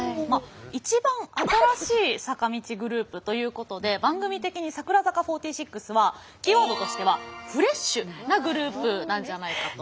一番新しい坂道グループということで番組的に櫻坂４６はキーワードとしては「フレッシュ」なグループなんじゃないかと。